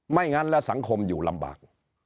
งั้นและสังคมอยู่ลำบาก